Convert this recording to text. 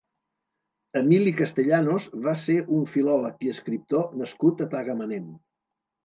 Emili Castellanos va ser un filòleg i escriptor nascut a Tagamanent.